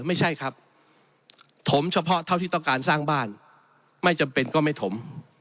ไม่ใช่ครับถมเฉพาะเท่าที่ต้องการสร้างบ้านไม่จำเป็นก็ไม่ถม